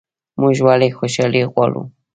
موږ ولې خوشحالي غواړو؟